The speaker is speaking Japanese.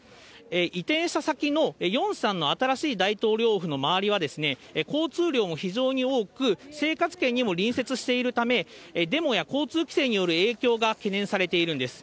移転した先のヨンサンの新しい大統領府の周りは、交通量も非常に多く、生活圏にも隣接しているため、デモや交通規制による影響が懸念されているんです。